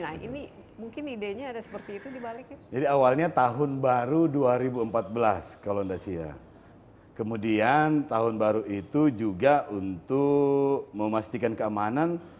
nah ini mungkin idenya ada seperti itu dibaliknya